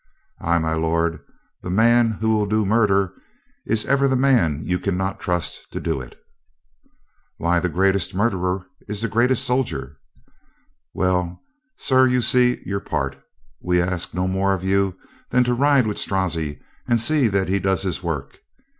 "Ay, my lord, the man who will do murder is ever the man you can not trust to do it." "Why, the greatest murderer is the greatest sol dier. Well, sir you see your part. We ask no more of you than to ride with Strozzi and see that he does his work.